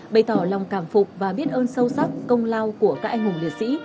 bày tỏ lòng cảm phục và biết ơn sâu sắc công lao của các anh hùng liệt sĩ